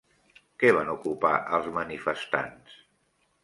Què van ocupar els manifestants?